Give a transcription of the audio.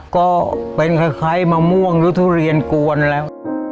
ก็เป็นคล้ายมะม่วงหรือทุเรียนกวนแล้ว